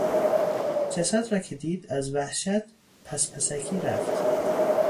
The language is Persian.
جسد را که دید از وحشت پس پسکی رفت.